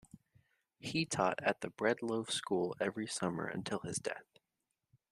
He taught at the Breadloaf School every summer until his death.